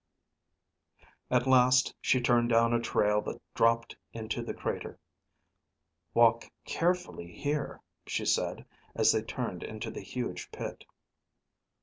At last she turned down a trail that dropped into the crater. "Walk carefully here," she said as they turned into the huge pit.